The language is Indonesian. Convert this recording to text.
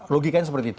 logikanya seperti itu